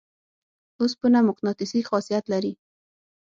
اوسپنه مقناطیسي خاصیت لري.